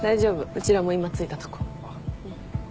うちらも今着いたとこ。